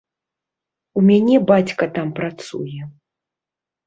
У мяне бацька там працуе.